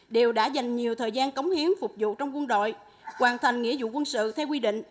đều đã dành nhiều thời gian cống hiến phục vụ trong quân đội hoàn thành nghĩa vụ quân sự theo quy định